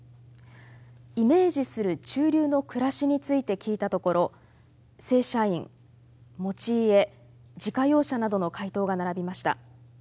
イメージする中流の暮らしについて聞いたところ正社員持ち家自家用車などの回答が並びました。